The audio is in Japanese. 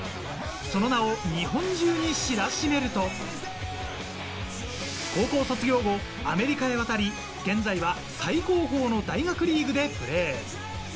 その名を日本中に知らしめると、高校卒業後、アメリカへ渡り、現在は最高峰の大学リーグでプレー。